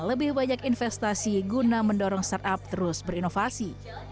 lebih banyak investasi guna mendorong startup terus berinovasi